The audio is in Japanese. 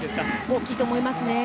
大きいと思います。